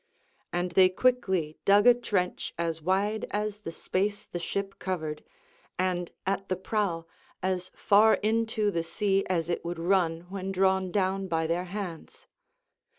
And they quickly dug a trench as wide as the space the ship covered, and at the prow as far into the sea as it would run when drawn down by their hands.